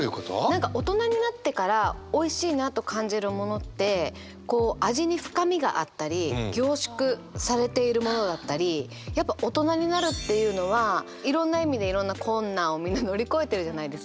何か大人になってからおいしいなと感じるものってこう味に深みがあったり凝縮されているものだったりやっぱ大人になるっていうのはいろんな意味でいろんな困難をみんな乗り越えてるじゃないですか。